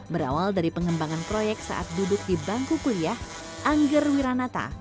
berawal dari pengembangan proyek saat duduk di bangku kuliah angger wiranata